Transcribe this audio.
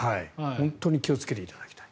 本当に気をつけていただきたい。